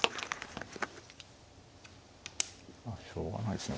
しょうがないですね